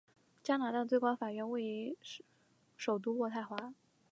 加拿大最高法院位置于首都渥太华。